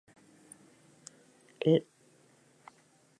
Han, lau boluntario eta zaintzaile bat aritu dira migratzaileak artatzen.